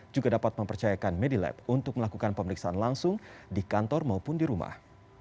juga dapat mempercayakan medilab untuk melakukan pemeriksaan langsung di kantor maupun di rumah